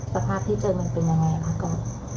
สภาพที่เจอมันเป็นยังไงคะก่อน